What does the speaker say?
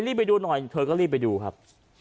รีบไปดูหน่อยเธอก็รีบไปดูครับ